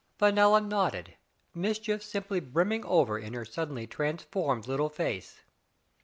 Fenella nodded, mischief simply brimming over in her suddenly transformed little face.